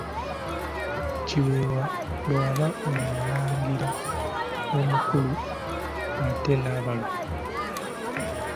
Kiweewa bw'aba omulangira omukulu ate Nabaloga?